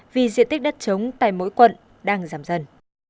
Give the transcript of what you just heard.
vì diện tích đất trống tại mỗi quận đang giảm dần